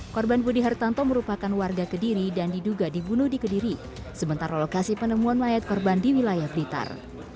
korban budi hartanto merupakan warga kediri dan diduga dibunuh di kediri sementara lokasi penemuan mayat korban di wilayah blitar